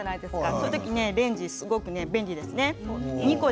そういうときレンジはすごく便利ですね。